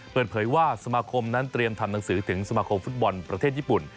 เปิดเผยว่าสมาคมนั้นเตรียมทำหนังสือถึงสมาคมฟุตบอลประเทศญี่ปุ่น